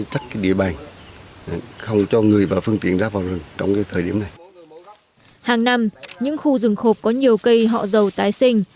hàng năm những khu rừng khộp có nhiều cây họ dầu tái sinh